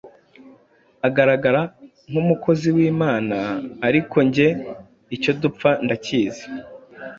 agaragara nk’umukozi w’imana ariko njye icyo dupfa ndakizi